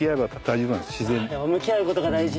向き合うことが大事。